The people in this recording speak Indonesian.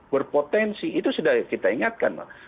berpotensi itu sudah kita ingatkan